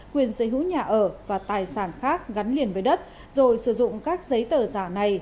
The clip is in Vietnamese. quyền sở hữu nhà ở và tài sản khác gắn liền với đất rồi sử dụng các giấy tờ giả này